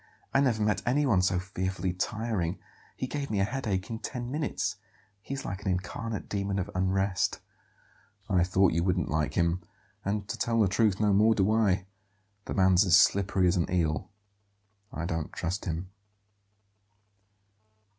I never met anyone so fearfully tiring. He gave me a headache in ten minutes. He is like an incarnate demon of unrest." "I thought you wouldn't like him; and, to tell the truth, no more do I. The man's as slippery as an eel; I don't trust him."